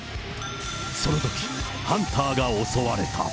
そのときハンターが襲われた。